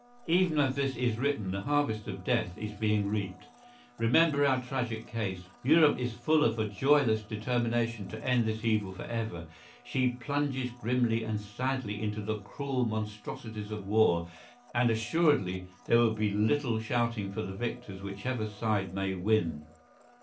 Even as this is written the harvest of death is being reaped. Remember our tragic case. Europe is full of a joyless determination to end this evil for ever; she plunges grimly and sadly into the cruel monstrosities of war, and assuredly there will be little shouting for the victors whichever side may win.